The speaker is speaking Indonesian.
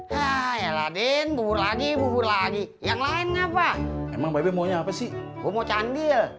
hai ah ya laden bubur lagi bubur lagi yang lainnya pak emang mau nyapa sih mau candil